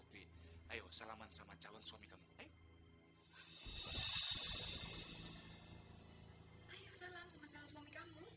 pokoknya omi nggak mau perjodohan ini